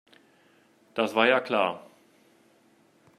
Das war ja klar.